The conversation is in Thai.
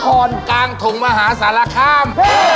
กลางถุงมหาศาลคาล